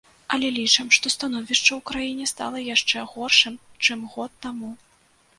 Але лічым, што становішча ў краіне стала яшчэ горшым, чым год таму.